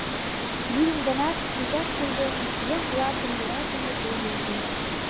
Лӱдын гынат, шинчаштыже еҥ-влакым йӧратыме тул йолген.